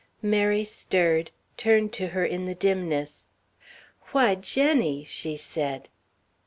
Mary stirred, turned to her in the dimness. "Why, Jenny!" she said.